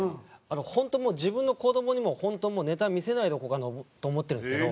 本当自分の子どもにも本当ネタ見せないでおこうと思ってるんですけど。